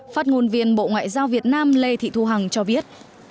phát ngôn viên bộ ngoại giao việt nam lê thị thu hằng cho biết